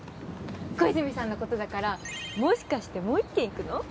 小泉さんのことだからもしかしてもう一軒行くの？